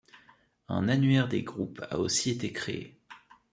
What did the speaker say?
Un annuaire des groupes a aussi été créé.